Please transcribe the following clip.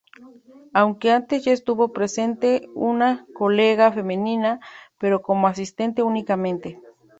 Aunque antes ya estuvo presente una colega femenina, pero como asistente únicamente.